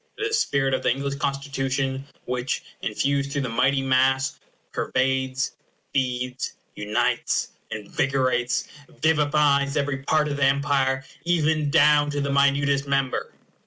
It is the spirit of the English Constitution which, infused through the mighty mass, pervades, feeds, unites, invigorates, vivifies every part of the Empire, even down to the minutest member.